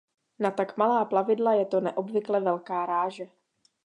Na tak malá plavidla je to neobvykle velká ráže.